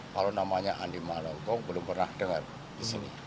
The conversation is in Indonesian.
kalau namanya andi malaukong belum pernah dengar di sini